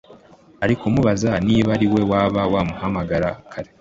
arikumubaza niba ariwe waba wamuhamagaraga kare